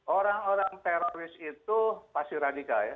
orang orang teroris itu pasti radikal ya